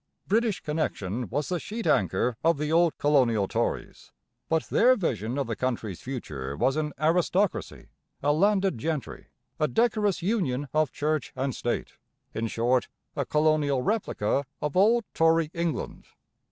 British connection was the sheet anchor of the old colonial Tories; but their vision of the country's future was an aristocracy, a landed gentry, a decorous union of church and state in short, a colonial replica of old Tory England.